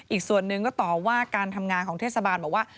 อีกส่วนหนึ่งก็ต่อว่าการทำงานของเทศบาลบอกว่า